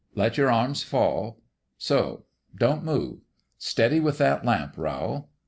Let your arms fall. So. Don't move. Steady with that lamp, Rowl.'